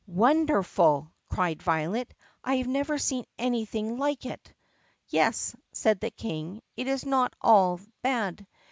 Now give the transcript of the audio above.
"Wonderful!" cried Violet. "I have never seen anything like it." "Yes," said the King, "it is not at all bad.